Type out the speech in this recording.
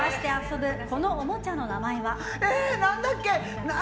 何だっけ。